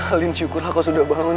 paling syukurlah kau sudah bangun